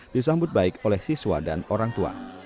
disambut baik oleh siswa dan orang tua